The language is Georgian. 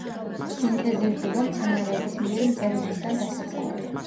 სინთეზირდება მცენარეების მიერ მწერებისგან დასაცავად.